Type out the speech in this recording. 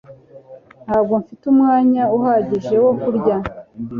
Ntabwo mfite umwanya uhagije wo kurya